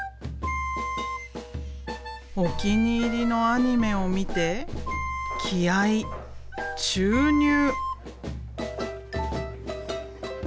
お気に入りのアニメを見て気合い注入！